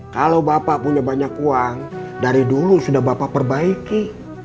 kalau bapak punya banyak uang dari dulu sudah bapak perbaiki